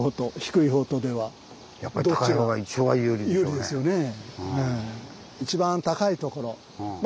有利ですよね。